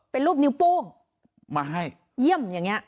เป็นรูปนิ้วโป้งมาให้เยี่ยมอย่างนี้